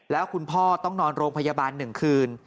แล้วคุณพ่อต้องนอนโรงพยาบาล๑คืน